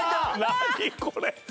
何これ。